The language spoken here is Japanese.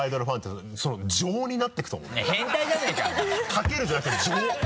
「かける」じゃなくて「乗」！